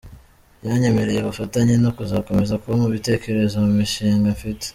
Yanyemereye ubufatanye no kuzakomeza kumpa ibitekerezo mu mishinga mfite”.